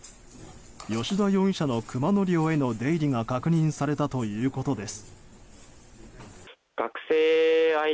吉田容疑者の熊野寮への出入りが確認されたということです。